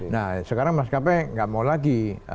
nah sekarang maskapai tidak mau lagi